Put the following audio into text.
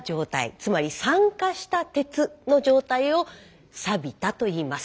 つまり酸化した鉄の状態を「サビた」と言います。